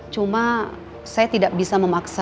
cuma saya tidak bisa memaksa